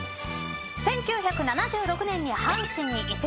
１９７６年に阪神に移籍。